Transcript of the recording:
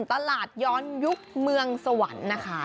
ตลาดย้อนยุคเมืองสวรรค์นะคะ